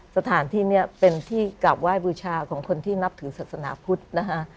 สถานที่นี้เป็นที่กลับไหว้บูชาของคนที่นับถือศาสนาพุทธนะฮะ